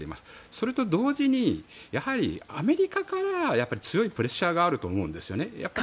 それと同時にやはりアメリカから強いプレッシャーがあると思うんですよね。